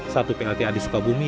satu plta di sukabumi